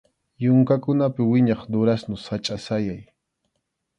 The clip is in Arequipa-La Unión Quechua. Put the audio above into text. Yunkakunapi wiñaq durazno sachʼa sayay.